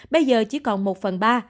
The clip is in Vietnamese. bây giờ chỉ còn một phần ba